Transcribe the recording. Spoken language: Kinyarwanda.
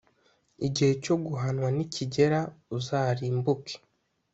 igihe cyo guhanwa nikigera, uzarimbuke